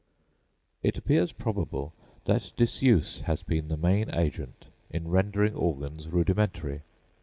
It appears probable that disuse has been the main agent in rendering organs rudimentary.